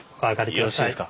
よろしいですか？